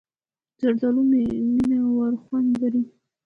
زردالو مینهوړ خوند لري.